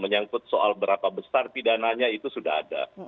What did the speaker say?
menyangkut soal berapa besar pidananya itu sudah ada